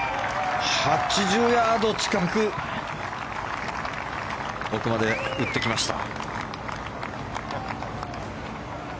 ８０ヤード近く奥まで打ってきました。